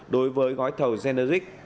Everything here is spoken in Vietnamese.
đối với gói thầu generic